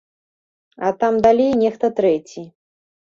А там далей нехта трэці.